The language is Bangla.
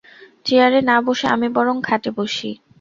চেয়ারে না-বসে আমি বরং খাটে বসি।